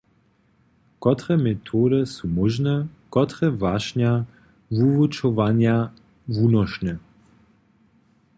Kotre metody su móžne, kotre wašnja wuwučowanja wunošne?